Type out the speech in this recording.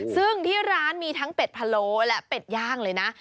ซึ่งที่ร้านมีทั้งเป็ดพะโลและเป็ดย่างเลยนะ